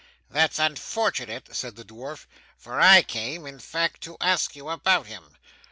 'That's unfortunate,' said the dwarf, 'for I came, in fact, to ask you about him.